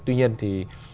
tuy nhiên thì